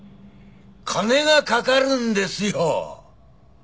金がかかるんですよ。